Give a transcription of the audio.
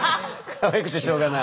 かわいくてしょうがない？